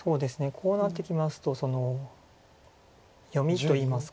こうなってきますと読みといいますか。